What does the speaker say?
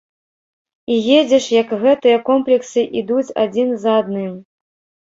І едзеш, як гэтыя комплексы ідуць адзін за адным.